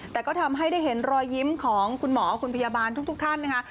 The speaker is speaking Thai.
แต่ก็ทำให้ได้เห็นรอยยิ้มของคุณหมอคุณพยาบาลทุกท่านนะคะ